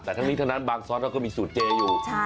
แบบอย่างนี้เท่านั้นบางซอสเราก็มีสูตรเจย์อยู่